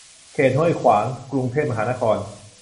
เขตห้วยขวาง กรุงเทพมหานคร